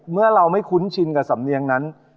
เมื่อเราไม่คุ้นชินกับสำเนียงนั้น